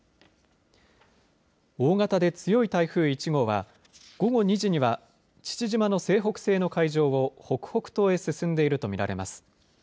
大型で強い台風１号は午後２時には父島の西北西の海上を北北東へ進んでいると見られます。